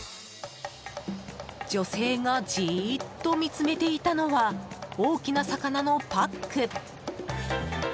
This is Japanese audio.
女性がじっと見つめていたのは大きな魚のパック。